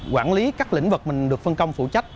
quản lý các lĩnh vực mình được phân công phụ trách